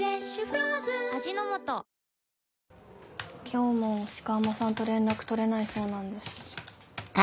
今日も鹿浜さんと連絡取れないそうなんです。